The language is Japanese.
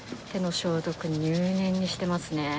手の消毒を入念にしてますね。